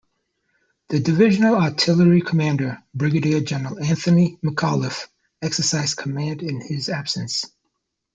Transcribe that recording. The Divisional Artillery commander, Brigadier General Anthony McAuliffe, exercised command in his absence.